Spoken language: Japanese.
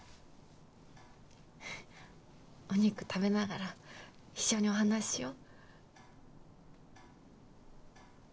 お肉食べながら一緒にお話ししよう。